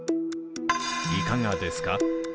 いかがですか？